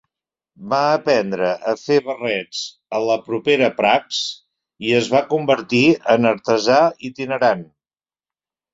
Va aprendre a fer barrets a la propera Prags i es va convertir en artesà itinerant.